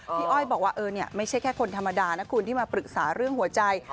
อ้อยบอกว่าไม่ใช่แค่คนธรรมดานะคุณที่มาปรึกษาเรื่องหัวใจ